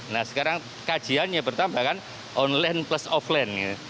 nah sekarang kajiannya bertambah kan online plus offline